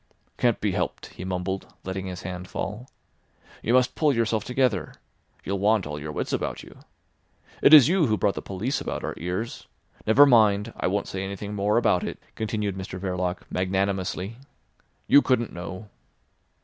"Can't be helped," he mumbled, letting his hand fall. "You must pull yourself together. You'll want all your wits about you. It is you who brought the police about our ears. Never mind, I won't say anything more about it," continued Mr Verloc magnanimously. "You couldn't know."